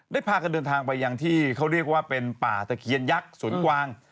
พากันเดินทางไปยังที่เขาเรียกว่าเป็นป่าตะเคียนยักษ์ศูนย์กวาง